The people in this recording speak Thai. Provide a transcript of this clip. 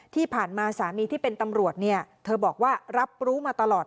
ที่ผ่านมาสามีที่เป็นตำรวจเนี่ยเธอบอกว่ารับรู้มาตลอด